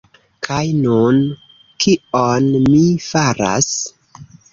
Kaj nun... kion mi faras?